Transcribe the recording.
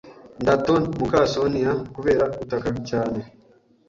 Ndaton muka sonia kubera gutaka cyane.